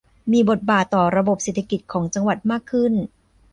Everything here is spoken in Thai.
มีบทบาทต่อระบบเศรษฐกิจของจังหวัดมากขึ้น